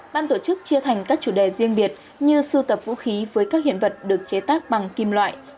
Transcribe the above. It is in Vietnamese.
ban tổ chức chia thành các chủ đề riêng biệt như sưu tập vũ khí với các hiện vật được chế tác bằng kim loại